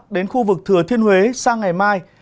đến khu vực thừa thiên huế sang ngày mai